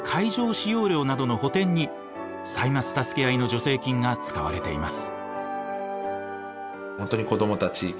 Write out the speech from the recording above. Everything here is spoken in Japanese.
使用料などの補填に「歳末たすけあい」の助成金が使われています。